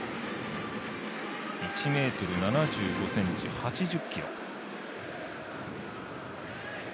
１ｍ７５ｃｍ、８０ｋｇ。